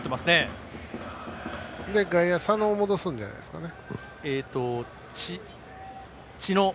外野、知野を戻すんじゃないですかね。